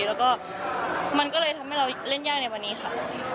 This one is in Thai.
แล้วก็มันก็เลยทำให้เราเล่นยากในวันนี้ค่ะ